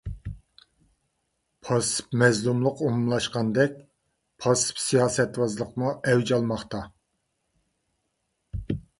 پاسسىپ مەزلۇملۇق ئومۇملاشقاندەك، پاسسىپ سىياسەتۋازلىقمۇ ئەۋج ئالماقتا.